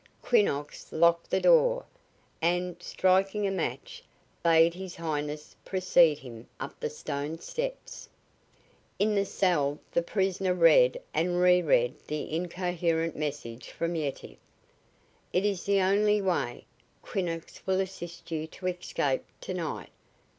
Quinnox locked the door, and, striking a match, bade His Highness precede him up the stone steps. In the cell the prisoner read and reread the incoherent message from Yetive: "It is the only way. Quinnox will assist you to escape to night.